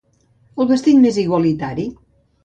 El vestit més igualitari.